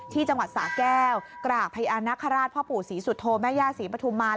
ที่จังหวัดสาแก้วกรากพระอาณาคาราชพ่อผู้ศรีสุทธโมแม่ย่าศรีปทุมัน